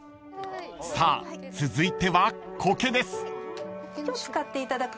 ［さあ続いては苔です］